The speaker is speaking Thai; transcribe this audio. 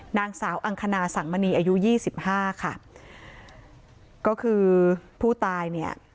นางสาวอังคณาสังมณีอายุยี่สิบห้าค่ะก็คือผู้ตายเนี่ย